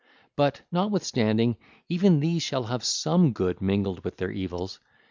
But, notwithstanding, even these shall have some good mingled with their evils.